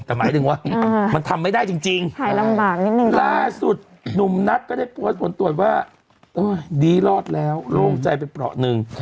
แต่หมายถึงว่ามันทำไม่ได้จริงหายลำบากนิดนึงล่าสุดหนุ่มนัทก็ได้โพสต์ผลตรวจว่าดีรอดแล้วโล่งใจไปเปราะหนึ่ง